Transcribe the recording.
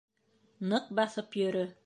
Ныҡ баҫып йөрө!